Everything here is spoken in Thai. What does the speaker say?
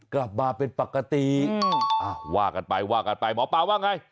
กลับมาเป็นปกติว่ากันไปว่ากันไปหมอปลาว่าไง